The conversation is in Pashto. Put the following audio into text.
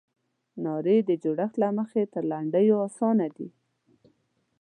نارې د جوړښت له مخې تر لنډیو اسانه دي.